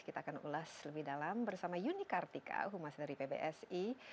kita akan ulas lebih dalam bersama yuni kartika humas dari pbsi